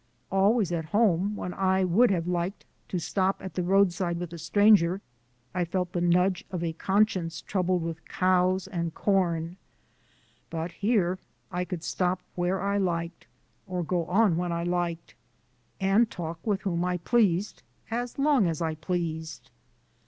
Always at home, when I would have liked to stop at the roadside with a stranger, I felt the nudge of a conscience troubled with cows and corn, but here I could stop where I liked, or go on when I liked, and talk with whom I pleased, as long as I pleased.